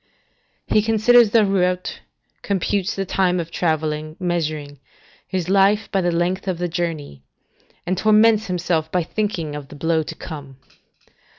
["He considers the route, computes the time of travelling, measuring his life by the length of the journey; and torments himself by thinking of the blow to come."